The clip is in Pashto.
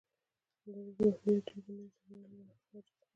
د لید محدودیت دوی د نوې زمانې له درک څخه عاجز کړل.